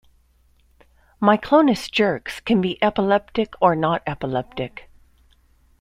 Myclonus jerks can be epileptic or not epileptic.